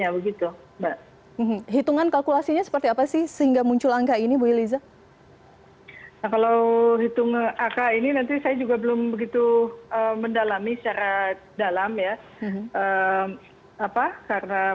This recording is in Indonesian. begitu saja mbak